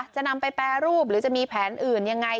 จะนำไปแปรรูปหรือจะมีแผนอื่นยังไง